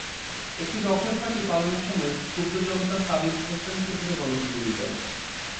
একটি ককটেল ফাটিয়ে পালানোর সময় ক্ষুব্ধ জনতা সাবিব হোসেনকে ধরে গণপিটুনি দেয়।